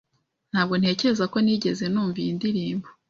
Ntabwo ntekereza ko nigeze numva iyi ndirimbo.